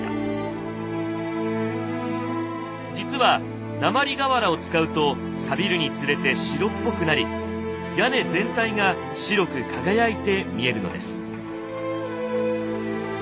実は鉛瓦を使うとさびるにつれて白っぽくなり屋根全体が白く輝いて見えるのです。